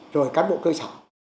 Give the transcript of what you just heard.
rồi cán bộ cơ sở